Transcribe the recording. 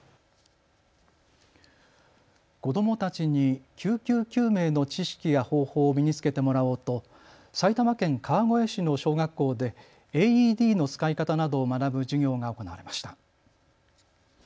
子どもたちに救急救命の知識や方法を身につけてもらおうと埼玉県川越市の小学校でＡＥＤの使い方などを学ぶ授業が行われました。